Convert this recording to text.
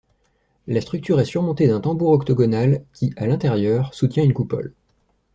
La structure est surmontée d'un tambour octogonal qui, à l'intérieur, soutient une coupole.